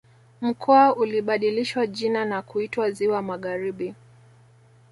Mkoa ulibadilishwa jina na kuitwa Ziwa Magharibi